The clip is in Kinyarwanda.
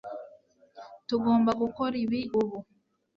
Tugomba gukora ibi ubu